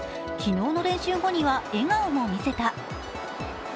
昨日の練習後には笑顔も見せた。